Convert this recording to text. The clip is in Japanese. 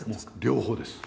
両方です。